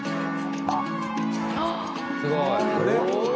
すごい！